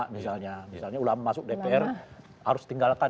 misalnya misalnya ulama masuk dpr harus tinggalkan